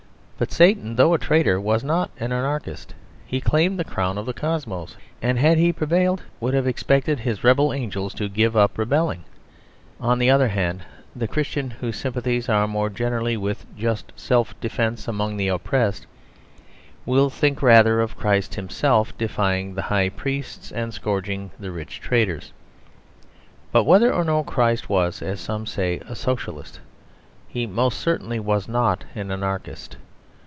But Satan, though a traitor, was not an anarchist. He claimed the crown of the cosmos; and had he prevailed, would have expected his rebel angels to give up rebelling. On the other hand, the Christian whose sympathies are more generally with just self defence among the oppressed will think rather of Christ Himself defying the High Priests and scourging the rich traders. But whether or no Christ was (as some say) a Socialist, He most certainly was not an Anarchist.